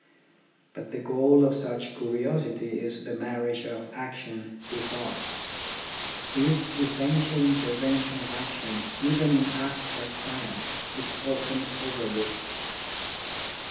But the goal of such curiosity is the marriage of action to thought. This essential intervention of action even in abstract science is often overlooked.